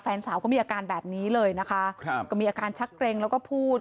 แฟนสาวก็มีอาการแบบนี้เลยนะคะครับก็มีอาการชักเกร็งแล้วก็พูด